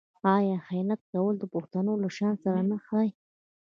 آیا خیانت کول د پښتون له شان سره نه ښايي؟